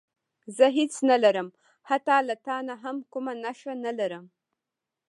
زه هېڅ نه لرم حتی له تا نه هم کومه نښه نه لرم.